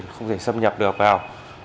không thể xâm nhập được vào